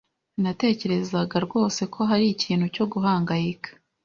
Sinatekerezaga rwose ko hari ikintu cyo guhangayika.